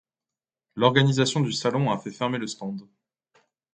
L’organisation du salon a fait fermer le stand.